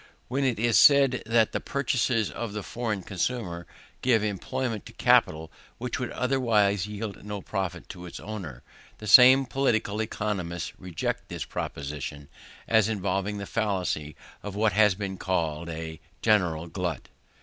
When it is said that the purchases of the foreign consumer give employment to capital which would otherwise yield no profit to its owner, the same political economists reject this proposition as involving the fallacy of what has been called a "general glut."